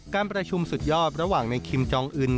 การประชุมสุดยอดระหว่างในคิมจองอื่น